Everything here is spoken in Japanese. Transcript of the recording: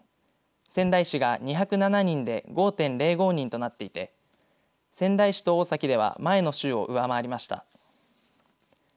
仙台市が２０７人で５．０５人となっていて仙台市と大崎では前の週を上回りました。